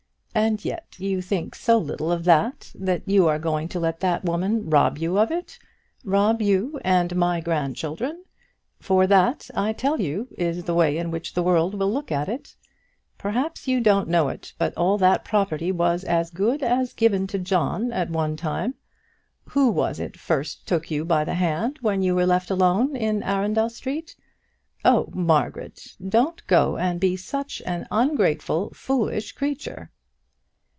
And yet you think so little of that, that you are going to let that woman rob you of it rob you and my grandchildren; for that, I tell you, is the way in which the world will look at it. Perhaps you don't know it, but all that property was as good as given to John at one time. Who was it first took you by the hand when you were left all alone in Arundel Street? Oh, Margaret, don't go and be such an ungrateful, foolish creature!"